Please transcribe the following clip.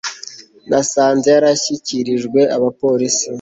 Nasanze yarashyikirijwe abapolisi